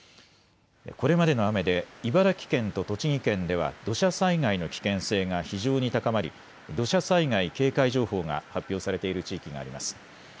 これまでの雨で茨城県と栃木県では土砂災害の危険性が非常に高まり土砂災害警戒情報が発表されている地域があります。